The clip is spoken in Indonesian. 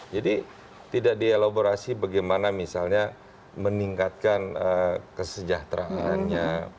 jadi tidak dielaborasi bagaimana misalnya meningkatkan kesejahteraannya